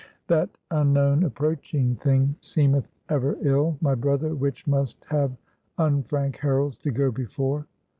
"That unknown, approaching thing, seemeth ever ill, my brother, which must have unfrank heralds to go before.